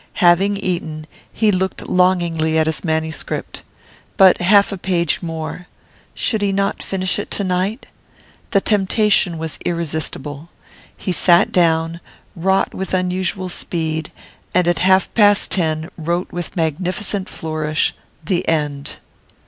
Having eaten, he looked longingly at his manuscript. But half a page more. Should he not finish it to night? The temptation was irresistible. He sat down, wrought with unusual speed, and at half past ten wrote with magnificent flourish 'The End.